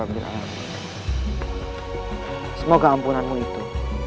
semoga ampunanmu itu